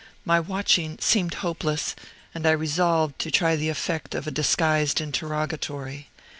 My watching seemed hopeless, and I resolved to try the effect of a disguised interrogatory.